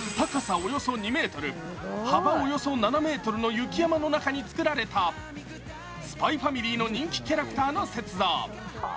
およそ２ｍ、幅およそ７ｍの雪山に中に作られた「ＳＰＹ×ＦＡＭＩＬＹ」の人気キャラクターの雪像。